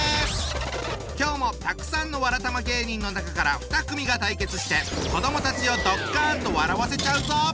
今日もたくさんのわらたま芸人の中から２組が対決して子どもたちをドッカンと笑わせちゃうぞ！